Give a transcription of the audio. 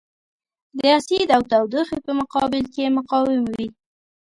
د اسید او تودوخې په مقابل کې مقاوم وي.